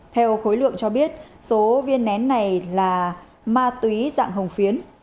theo khối lượng cho biết số viên nén này là ma túy dạng hồng phiến